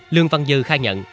lương văn dư khai nhận